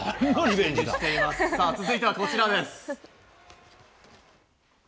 続いてはこちらです。